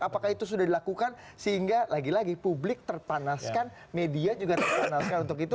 apakah itu sudah dilakukan sehingga lagi lagi publik terpanaskan media juga terpanaskan untuk itu